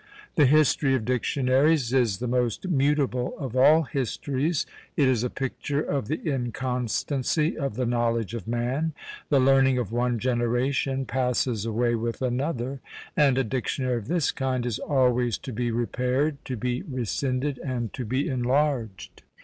The history of dictionaries is the most mutable of all histories; it is a picture of the inconstancy of the knowledge of man; the learning of one generation passes away with another; and a dictionary of this kind is always to be repaired, to be rescinded, and to be enlarged.